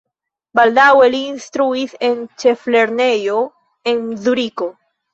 Baldaŭe li instruis en ĉeflernejo en Zuriko.